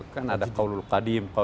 kan ada kawlul kadim